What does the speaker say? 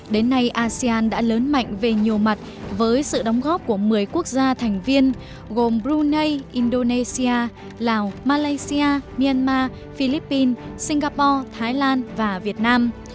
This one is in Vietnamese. đến nay asean đã lớn mạnh về nhiều mặt với sự đóng góp của một mươi quốc gia thành viên gồm brunei indonesia lào malaysia myanmar philippines singapore thái lan và việt nam